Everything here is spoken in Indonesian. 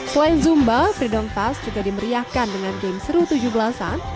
selain zumba freedom fast juga dimeriahkan dengan game seru tujuh belas an